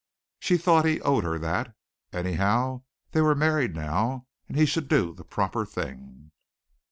She thought he owed her that. Anyhow they were married now, and he should do the proper thing.